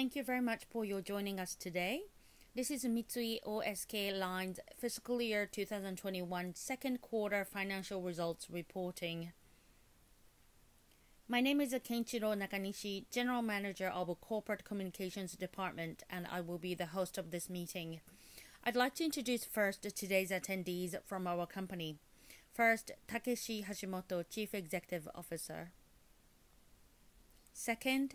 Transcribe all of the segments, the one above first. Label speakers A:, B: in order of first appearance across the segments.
A: Thank you very much for your joining us today. This is Mitsui O.S.K. Lines' Fiscal Year 2021 Second Quarter Financial Results Reporting. My name is Keiichiro Nakanishi, General Manager of Corporate Communications Department, and I will be the host of this meeting. I'd like to introduce first today's attendees from our company. First, Takeshi Hashimoto, Chief Executive Officer. Second,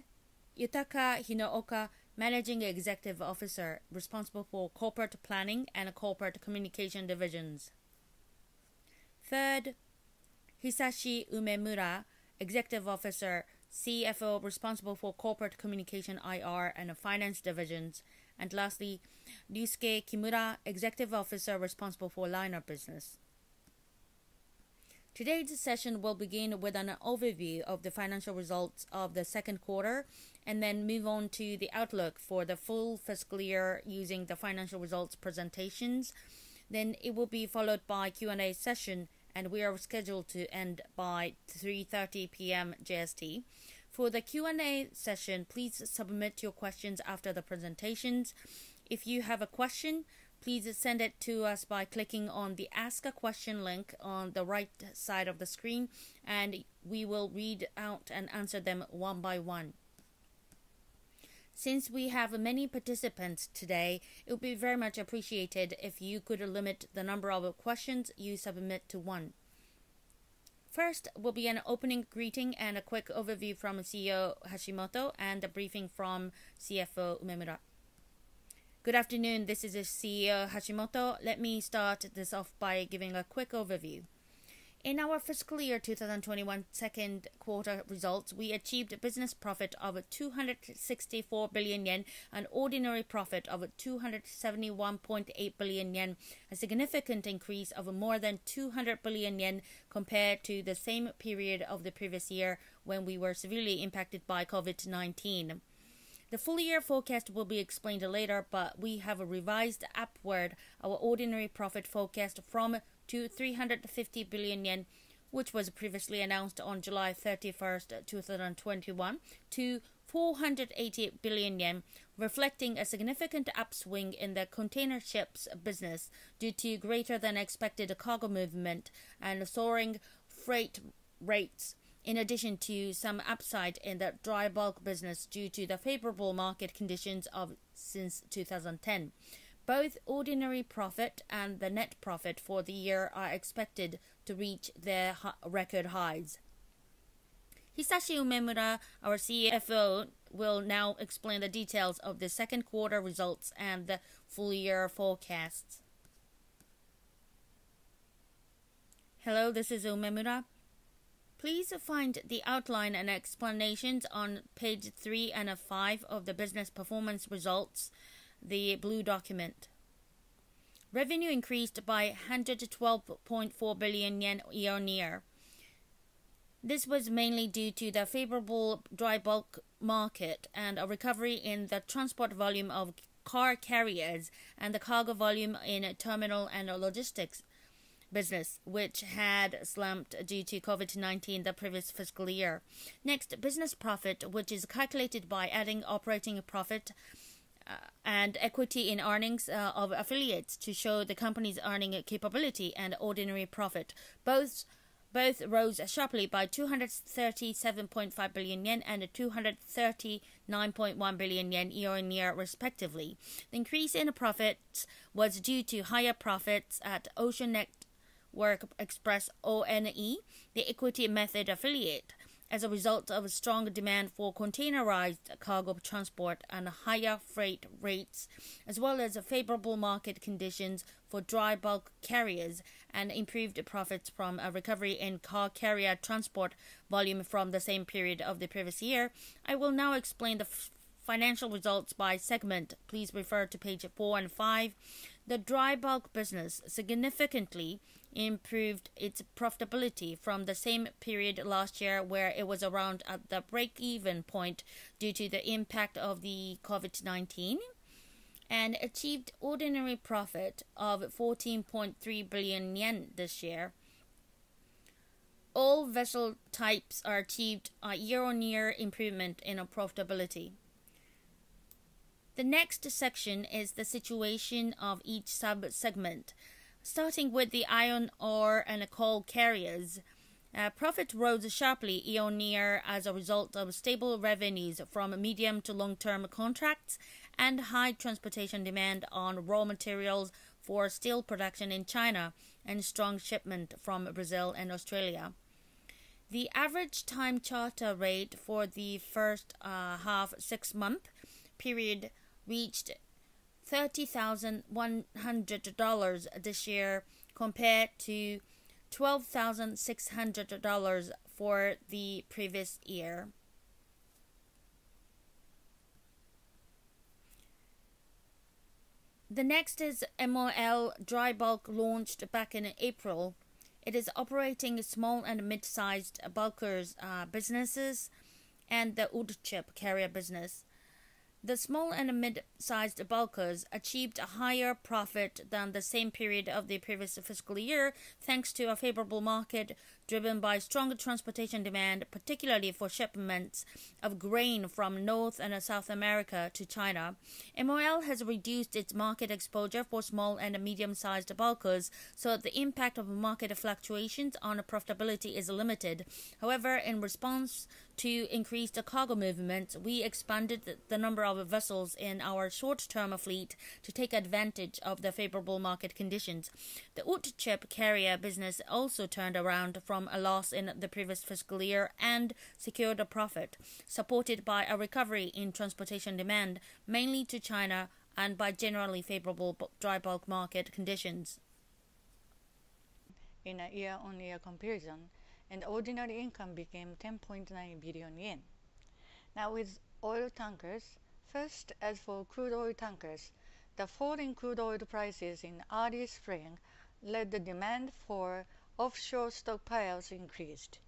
A: Yutaka Hinooka, Managing Executive Officer responsible for Corporate Planning and Corporate Communication Divisions. Third, Hisashi Umemura, Executive Officer, CFO responsible for Corporate Communication, IR, and Finance Divisions. And lastly, Ryusuke Kimura, Executive Officer responsible for Liner Business. Today's session will begin with an overview of the financial results of the second quarter and then move on to the outlook for the full fiscal year using the financial results presentations. It will be followed by Q&A session, and we are scheduled to end by 3:30 P.M. JST. For the Q&A session, please submit your questions after the presentations. If you have a question, please send it to us by clicking on the Ask a Question link on the right side of the screen, and we will read out and answer them one by one. Since we have many participants today, it would be very much appreciated if you could limit the number of questions you submit to one. First will be an opening greeting and a quick overview from CEO Hashimoto and a briefing from CFO Umemura. Good afternoon. This is CEO Hashimoto. Let me start this off by giving a quick overview. In our fiscal year 2021 second quarter results, we achieved business profit of 264 billion yen and ordinary profit of 271.8 billion yen, a significant increase of more than 200 billion yen compared to the same period of the previous year when we were severely impacted by COVID-19. The full year forecast will be explained later, but we have revised upward our ordinary profit forecast from 350 billion yen, which was previously announced on July 31st, 2021, to 480 billion yen, reflecting a significant upswing in the containerships business due to greater than expected cargo movement and soaring freight rates, in addition to some upside in the dry bulk business due to the favorable market conditions since 2010. Both ordinary profit and the net profit for the year are expected to reach their record highs. Hisashi Umemura, our CFO, will now explain the details of the second quarter results and the full year forecasts. Hello, this is Umemura. Please find the outline and explanations on page three and five of the business performance results, the blue document. Revenue increased by 112.4 billion yen year-on-year. This was mainly due to the favorable dry bulk market and a recovery in the transport volume of car carriers and the cargo volume in terminal and logistics business, which had slumped due to COVID-19 the previous fiscal year. Next, business profit, which is calculated by adding operating profit, and equity in earnings of affiliates to show the company's earning capability and ordinary profit. Both rose sharply by 237.5 billion yen and 239.1 billion yen year-on-year respectively. The increase in profits was due to higher profits at Ocean Network Express, ONE, the equity method affiliate, as a result of strong demand for containerized cargo transport and higher freight rates, as well as favorable market conditions for dry bulk carriers and improved profits from a recovery in car carrier transport volume from the same period of the previous year. I will now explain the financial results by segment. Please refer to page four and five. The dry bulk business significantly improved its profitability from the same period last year, where it was around at the break-even point due to the impact of the COVID-19, and achieved ordinary profit of 14.3 billion yen this year. All vessel types achieved a year-on-year improvement in our profitability. The next section is the situation of each sub-segment. Starting with the iron ore and coal carriers, profit rose sharply year-on-year as a result of stable revenues from medium to long-term contracts and high transportation demand on raw materials for steel production in China and strong shipment from Brazil and Australia. The average time charter rate for the first half six-month period reached $30,100 this year, compared to $12,600 for the previous year. The next is MOL Drybulk launched back in April. It is operating small and mid-sized bulkers, businesses and the wood chip carrier business. The small and mid-sized bulkers achieved a higher profit than the same period of the previous fiscal year, thanks to a favorable market driven by strong transportation demand, particularly for shipments of grain from North and South America to China. MOL has reduced its market exposure for small and medium-sized bulkers, so the impact of market fluctuations on profitability is limited. However, in response to increased cargo movements, we expanded the number of vessels in our short-term fleet to take advantage of the favorable market conditions. The wood chip carrier business also turned around from a loss in the previous fiscal year and secured a profit, supported by a recovery in transportation demand, mainly to China, and by generally favorable dry bulk market conditions.
B: In a year-on-year comparison, ordinary income became 10.9 billion yen. Now with oil tankers, first, as for crude oil tankers, the falling crude oil prices in early spring led the demand for offshore stockpiles increased.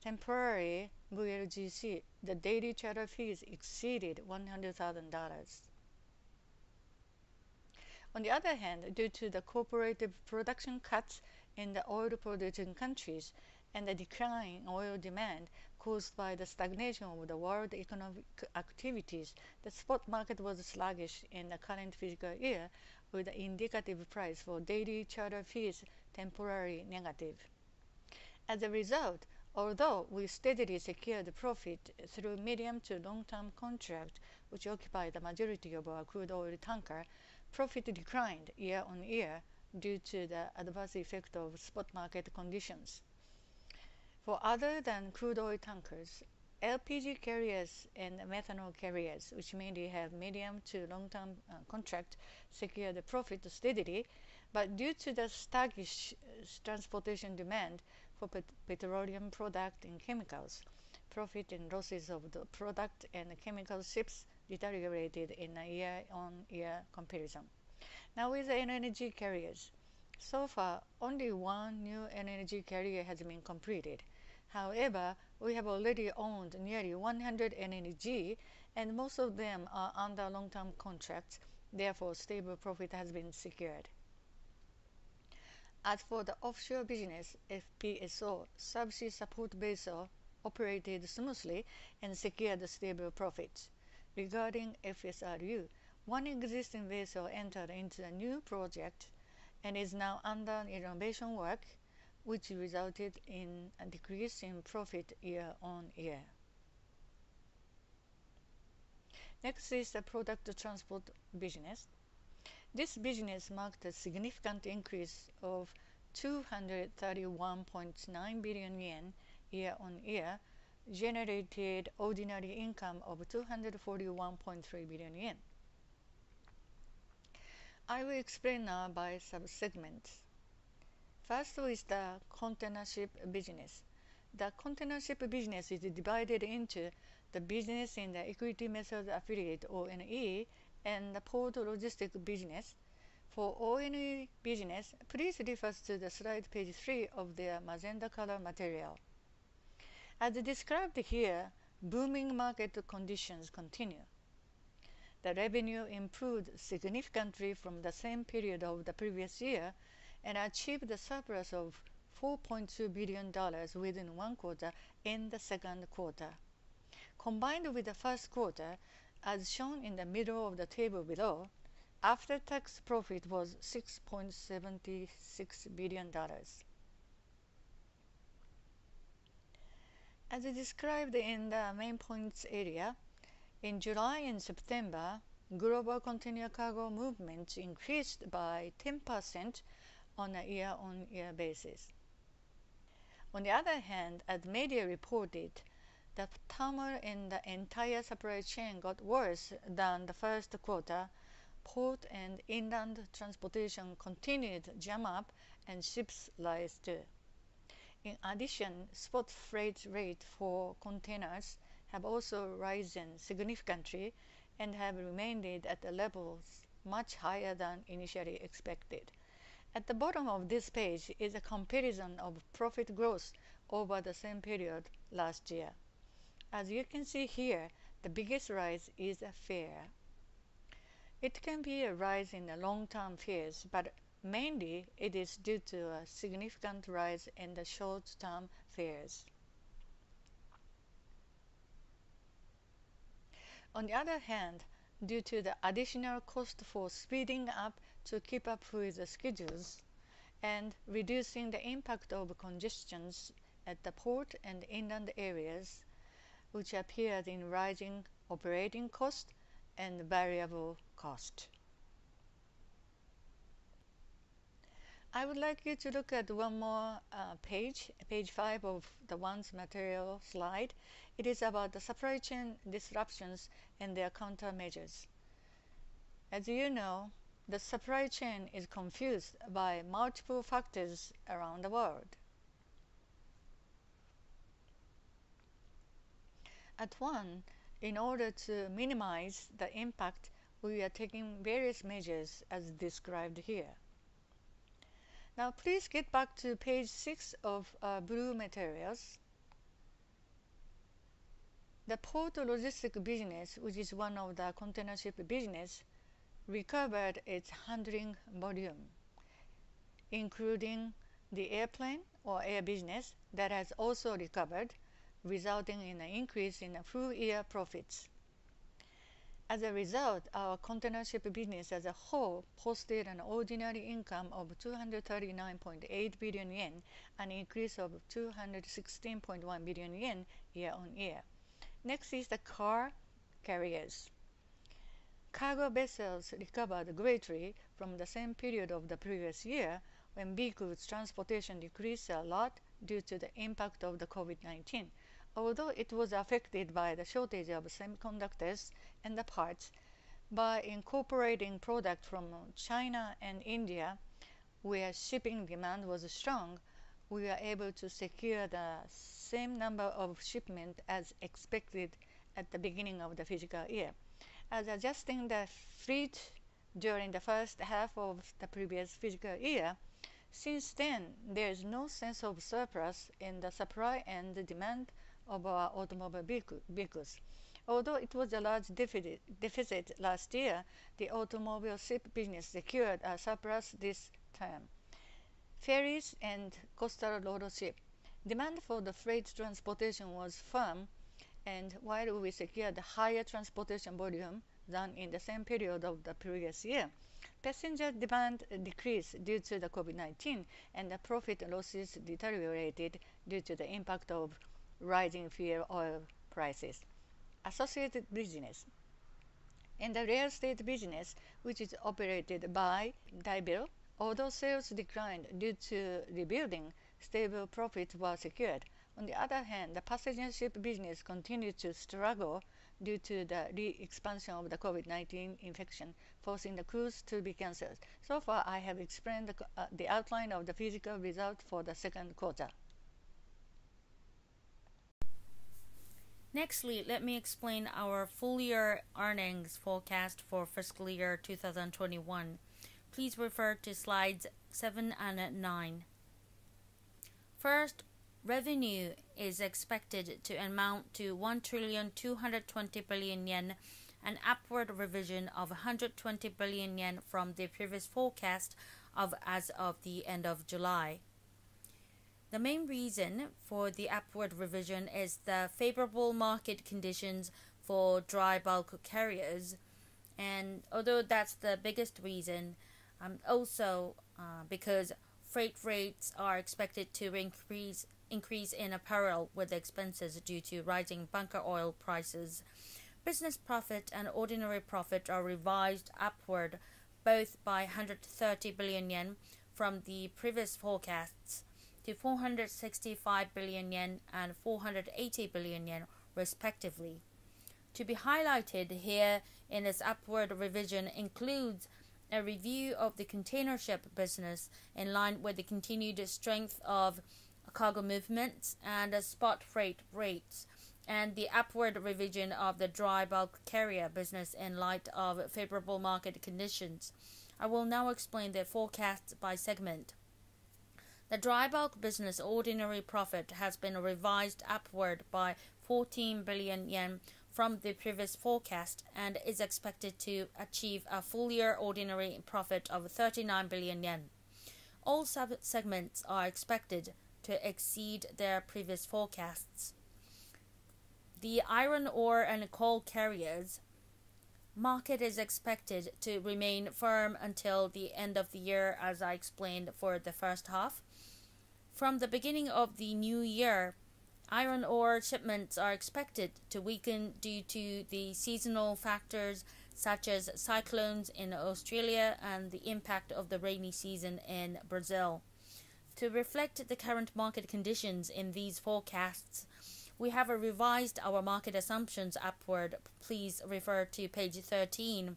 B: Temporarily, VLGC, the daily charter fees exceeded $100,000. On the other hand, due to the cooperative production cuts in the oil-producing countries and the decline in oil demand caused by the stagnation of the world economic activities, the spot market was sluggish in the current fiscal year, with the indicative price for daily charter fees temporarily negative. As a result, although we steadily secured profit through medium to long-term contracts, which occupy the majority of our crude oil tanker, profit declined year-on-year due to the adverse effect of spot market conditions. For other than crude oil tankers, LPG carriers and methanol carriers, which mainly have medium to long-term contract, secured profit steadily. Due to the sluggish transportation demand for petroleum product and chemicals, profit and losses of the product and chemical ships deteriorated in a year-on-year comparison. Now with LNG carriers, so far only one new LNG carrier has been completed. However, we have already owned nearly 100 LNG, and most of them are under long-term contracts. Therefore, stable profit has been secured. As for the offshore business, FPSO, subsea support vessel operated smoothly and secured stable profits. Regarding FSRU, one existing vessel entered into a new project and is now under renovation work, which resulted in a decrease in profit year-on-year. Next is the product transport business. This business marked a significant increase of 231.9 billion yen year-on-year, generated ordinary income of 241.3 billion yen. I will explain now by subsegments. First is the container ship business. The container ship business is divided into the business in the equity method affiliate, ONE, and the port logistics business. For ONE business, please refer to the slide page three of the magenta color material. As described here, booming market conditions continue. The revenue improved significantly from the same period of the previous year and achieved a surplus of $4.2 billion within one quarter in the second quarter. Combined with the first quarter, as shown in the middle of the table below, after-tax profit was $6.76 billion. As described in the main points area, in July and September, global container cargo movements increased by 10% on a year-on-year basis. On the other hand, as media reported, the turmoil in the entire supply chain got worse than in the first quarter. Ports and inland transportation continued to jam up and ships arrived too. In addition, spot freight rate for containers have also risen significantly and have remained at levels much higher than initially expected. At the bottom of this page is a comparison of profit growth over the same period last year. As you can see here, the biggest rise is freight. It can be a rise in the long-term freight, but mainly it is due to a significant rise in the short-term freight. On the other hand, due to the additional cost for speeding up to keep up with the schedules and reducing the impact of congestions at the port and inland areas, which appeared in rising operating cost and variable cost. I would like you to look at one more page five of the ONE's material slide. It is about the supply chain disruptions and their countermeasures. As you know, the supply chain is confused by multiple factors around the world. At ONE, in order to minimize the impact, we are taking various measures as described here. Now please get back to page six of blue materials. The port logistic business, which is one of the container ship business, recovered its handling volume, including the air cargo business that has also recovered, resulting in an increase in the full year profits. As a result, our container ship business as a whole posted an ordinary income of 239.8 billion yen, an increase of 216.1 billion yen year-on-year. Next is the car carriers. Cargo vessels recovered greatly from the same period of the previous year when vehicles transportation decreased a lot due to the impact of the COVID-19. Although it was affected by the shortage of semiconductors and the parts, by incorporating product from China and India, where shipping demand was strong, we were able to secure the same number of shipment as expected at the beginning of the fiscal year. As adjusting the fleet during the first half of the previous fiscal year, since then, there is no sense of surplus in the supply and demand of our automobile vehicles. Although it was a large deficit last year, the automobile ship business secured a surplus this term. Ferries and coastal RoRo ship. Demand for the freight transportation was firm, and while we secured a higher transportation volume than in the same period of the previous year, passenger demand decreased due to the COVID-19, and the profits and losses deteriorated due to the impact of rising fuel oil prices. Associated business. In the real estate business, which is operated by Daibiru, although sales declined due to rebuilding, stable profits were secured. On the other hand, the passenger ship business continued to struggle due to the re-expansion of the COVID-19 infection, forcing the cruise to be canceled. So far, I have explained the outline of the fiscal results for the second quarter.
A: Next, let me explain our full year earnings forecast for fiscal year 2021. Please refer to slides seven and nine. First, revenue is expected to amount to 1.22 trillion, an upward revision of 120 billion yen from the previous forecast as of the end of July. The main reason for the upward revision is the favorable market conditions for dry bulk carriers. Although that's the biggest reason, also because freight rates are expected to increase in parallel with expenses due to rising bunker oil prices. Business profit and ordinary profit are revised upward both by 130 billion yen from the previous forecasts to 465 billion yen and 480 billion yen, respectively. To be highlighted here in this upward revision includes a review of the container ship business in line with the continued strength of cargo movements and the spot freight rates, and the upward revision of the dry bulk carrier business in light of favorable market conditions. I will now explain the forecasts by segment. The dry bulk business ordinary profit has been revised upward by 14 billion yen from the previous forecast and is expected to achieve a full year ordinary profit of 39 billion yen. All subsegments are expected to exceed their previous forecasts. The iron ore and coal carriers market is expected to remain firm until the end of the year, as I explained for the first half. From the beginning of the new year, iron ore shipments are expected to weaken due to the seasonal factors such as cyclones in Australia and the impact of the rainy season in Brazil. To reflect the current market conditions in these forecasts, we have revised our market assumptions upward. Please refer to page 13.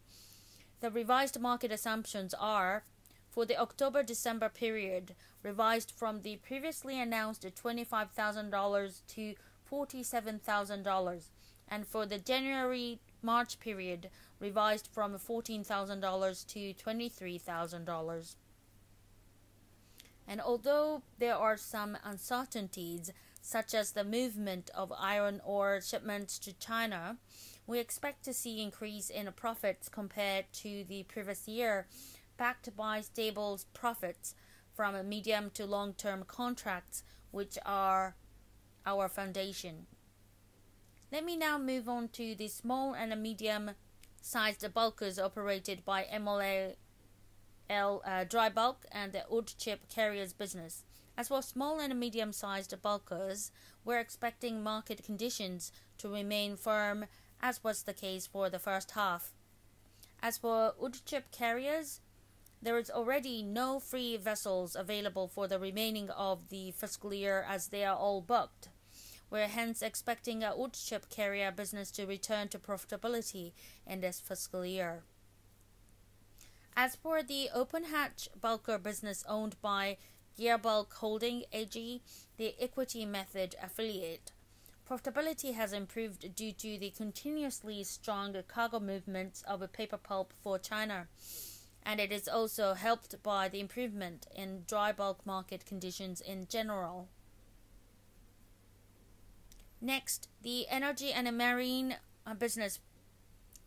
A: The revised market assumptions are for the October-December period, revised from the previously announced $25,000-$47,000, and for the January-March period, revised from $14,000-$23,000. Although there are some uncertainties such as the movement of iron ore shipments to China, we expect to see increase in profits compared to the previous year, backed by stable profits from a medium to long term contracts, which are our foundation. Let me now move on to the small and medium-sized bulkers operated by MOL DryBulk and the wood chip carriers business. As for small and medium-sized bulkers, we're expecting market conditions to remain firm as was the case for the first half. As for wood chip carriers, there is already no free vessels available for the remainder of the fiscal year as they are all booked. We're hence expecting our Wood Chip Carrier business to return to profitability in this fiscal year. As for the open hatch bulker business owned by Gearbulk Holding AG, the equity method affiliate. Profitability has improved due to the continuously strong cargo movements of paper pulp for China, and it is also helped by the improvement in dry bulk market conditions in general. Next, the energy and marine business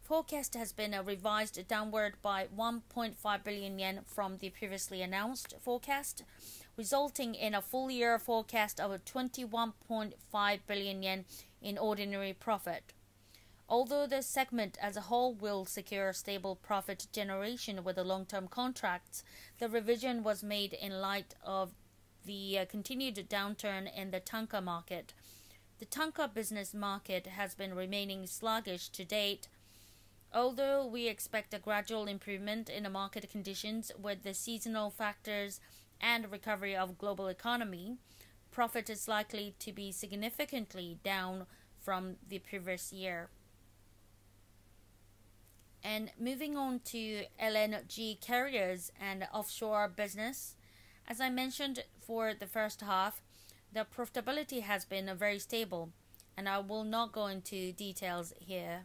A: forecast has been revised downward by 1.5 billion yen from the previously announced forecast, resulting in a full year forecast of 21.5 billion yen in ordinary profit. Although this segment as a whole will secure stable profit generation with the long-term contracts, the revision was made in light of the continued downturn in the tanker market. The tanker business market has been remaining sluggish to date. Although we expect a gradual improvement in the market conditions with the seasonal factors and recovery of global economy, profit is likely to be significantly down from the previous year. Moving on to LNG carriers and offshore business. As I mentioned for the first half, the profitability has been very stable and I will not go into details here.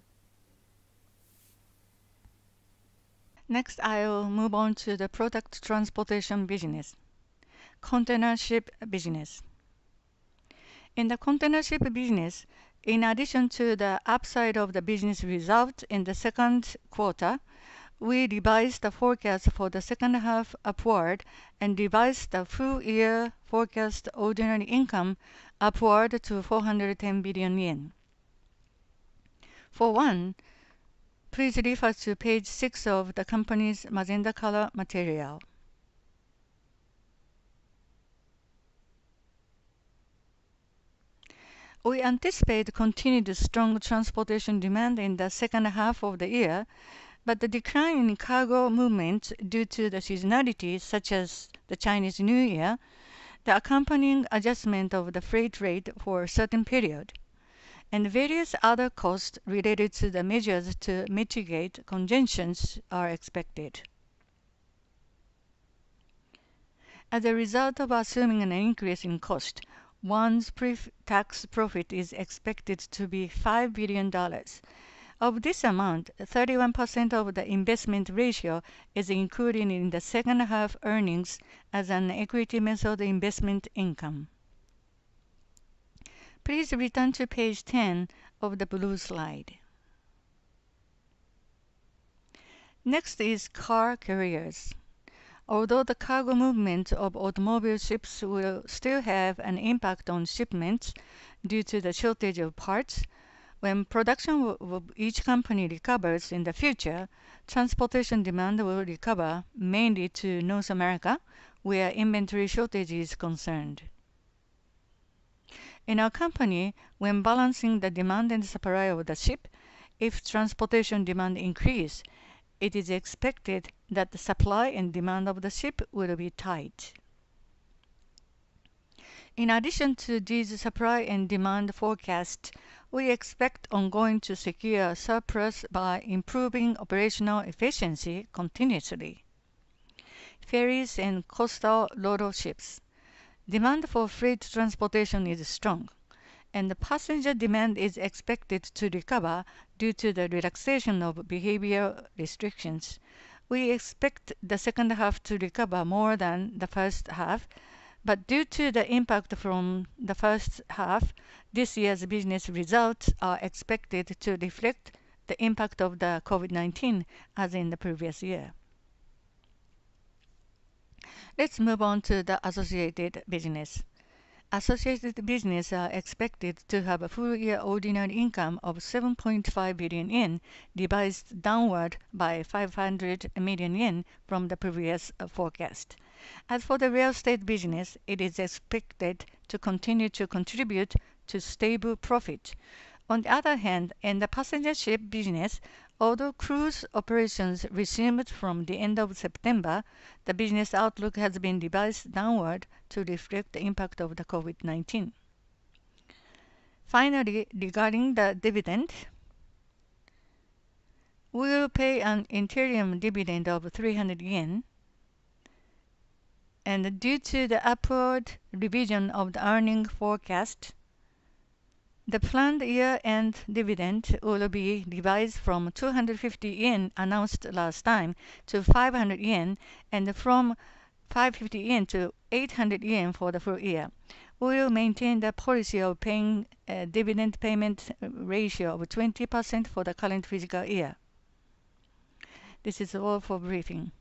B: Next, I will move on to the product transportation business. Container ship business. In the container ship business, in addition to the upside of the business result in the second quarter, we revised the forecast for the second half upward and revised the full year forecast ordinary income upward to 410 billion yen. For ONE, please refer to page six of the company's magenta color material. We anticipate continued strong transportation demand in the second half of the year, but the decline in cargo movement due to the seasonality, such as the Chinese New Year, the accompanying adjustment of the freight rate for a certain period, and various other costs related to the measures to mitigate congestions are expected. As a result of assuming an increase in cost, ONE's pre-tax profit is expected to be $5 billion. Of this amount, 31% of the investment ratio is included in the second half earnings as an equity method investment income. Please return to page 10 of the blue slide. Next is car carriers. Although the cargo movement of automobile ships will still have an impact on shipments due to the shortage of parts, when production of each company recovers in the future, transportation demand will recover mainly to North America, where inventory shortage is concerned. In our company, when balancing the demand and supply of the ship, if transportation demand increase, it is expected that the supply and demand of the ship will be tight. In addition to these supply and demand forecasts, we expect ongoing to secure surplus by improving operational efficiency continuously. Ferries and coastal RoRo ships. Demand for freight transportation is strong, and the passenger demand is expected to recover due to the relaxation of behavioral restrictions. We expect the second half to recover more than the first half, but due to the impact from the first half, this year's business results are expected to reflect the impact of the COVID-19 as in the previous year. Let's move on to the associated business. Associated business are expected to have a full year ordinary income of 7.5 billion yen, revised downward by 500 million yen from the previous forecast. As for the real estate business, it is expected to continue to contribute to stable profit. On the other hand, in the passenger ship business, although cruise operations resumed from the end of September, the business outlook has been revised downward to reflect the impact of the COVID-19. Finally, regarding the dividend, we will pay an interim dividend of 300 yen. Due to the upward revision of the earnings forecast, the planned year-end dividend will be revised from 250 yen announced last time to 500 yen, and from 550-800 yen for the full year. We will maintain the policy of paying a dividend payment ratio of 20% for the current fiscal year. This is all for briefing.